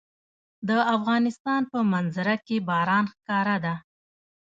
د افغانستان په منظره کې باران ښکاره ده.